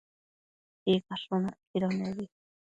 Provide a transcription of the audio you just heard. Sicashun acquido nebi